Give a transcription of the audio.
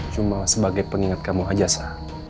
cuma sebagai pengingat kamu aja sa